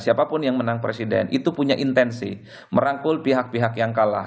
siapapun yang menang presiden itu punya intensi merangkul pihak pihak yang kalah